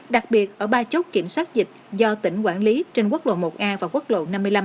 đặc biệt ở ba chốt kiểm soát dịch do tỉnh quản lý trên quốc lộ một a và quốc lộ năm mươi năm